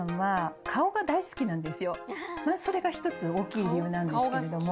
まずそれが１つ大きい理由なんですけれども。